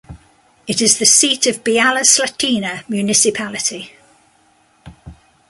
It is the seat of Byala Slatina Municipality.